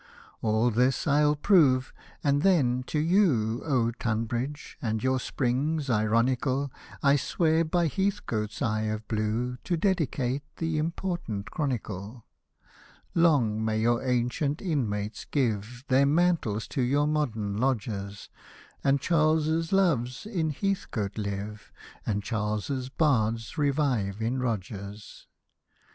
All this I'll prove, and then, to you, O Tunbridge I and your spring s ironical^ ' I swear by Heathcote's eye of blue To dedicate the important chronicle. Long may your ancient inmates give Their mantles to your modern lodgers, And Charles's loves in Heathcote live. And Charles's bards revive in Rogers.